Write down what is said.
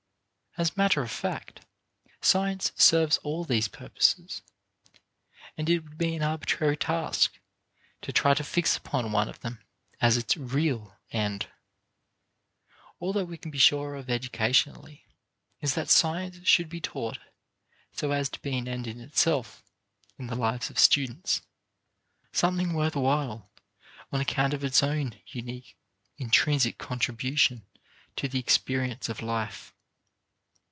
As matter of fact, science serves all these purposes, and it would be an arbitrary task to try to fix upon one of them as its "real" end. All that we can be sure of educationally is that science should be taught so as to be an end in itself in the lives of students something worth while on account of its own unique intrinsic contribution to the experience of life.